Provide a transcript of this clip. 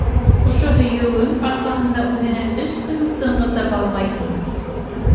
Ошо һөйөүең арҡаһында үҙеңә өс көн тынғы таба алмайһыңмы?